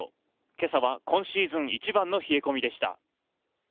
今朝は今シーズン一番の冷え込みでした。